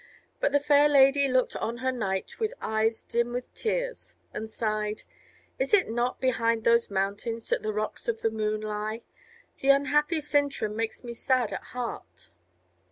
But the fair lady looked on her knight with eyes dim with tears, and sighed: "Is it not behind those mountains that the Rocks of the Moon lie? The unhappy Sintram makes me sad at heart."